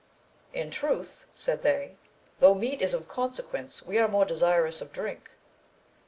In truth, said they, though meat is of consequence, we are more desirous of drink.